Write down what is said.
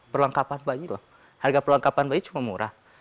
perlengkapan bayi loh harga perlengkapan bayi cuma murah